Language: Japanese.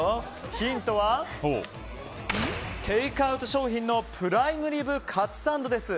ヒントは、テイクアウト商品のプライムリブカツサンドです。